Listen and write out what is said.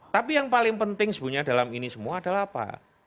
tapi yang paling penting sebenarnya dalam ini semua adalah apa